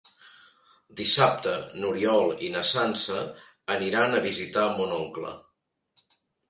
Dissabte n'Oriol i na Sança aniran a visitar mon oncle.